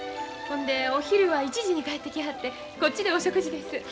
ほんでお昼は１時に帰ってきはってこっちでお食事です。